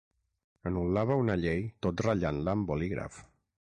Anul·lava una llei, tot ratllant-la amb bolígraf.